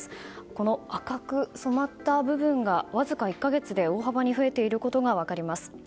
この赤く染まった部分がわずか１か月で大幅に増えていることが分かります。